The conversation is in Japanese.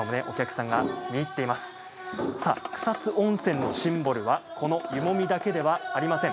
さあ、草津温泉のシンボルはこの湯もみだけではありません。